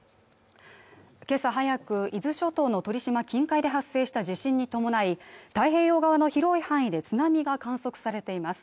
今朝早く伊豆諸島の鳥島近海で発生した地震に伴い太平洋側の広い範囲で津波が観測されています